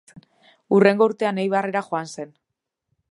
Hurrengo urtean Eibarrera joan zen.